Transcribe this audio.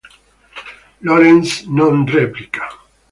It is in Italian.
Lawrence non replica.